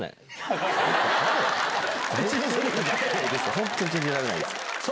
本当に信じられないです。